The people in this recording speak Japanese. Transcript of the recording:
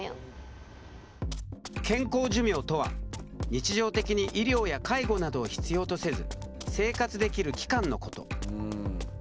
健康寿命とは日常的に医療や介護などを必要とせず生活できる期間のこと。